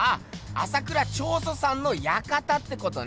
朝倉彫塑さんの館ってことね！